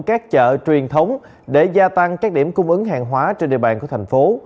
các chợ truyền thống để gia tăng các điểm cung ứng hàng hóa trên địa bàn tp hcm